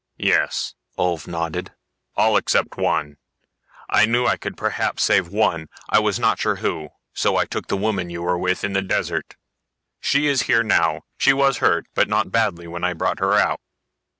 "Yes," Ulv nodded. "All except one. I knew I could perhaps save one; I was not sure who. So I took the woman you were with in the desert she is here now. She was hurt, but not badly, when I brought her out."